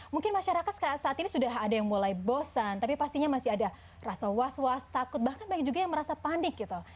mungkin masyarakat saat ini sudah ada yang mulai bosan tapi pastinya masih ada rasa was was takut bahkan banyak juga yang merasa panik gitu